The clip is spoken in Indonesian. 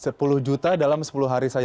rp sepuluh dalam sepuluh hari saja